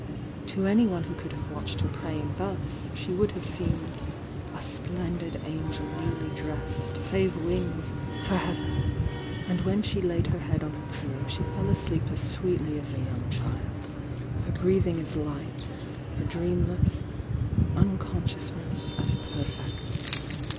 To anyone who could have watched her pray ing thus, she would have seemed "A splendid angel newly drest Save wings, for heaven!" And when she laid her head on her pillow she fell asleep as sweetly as a young child, her breathing as light, her dreamless unconsciousness as perfect.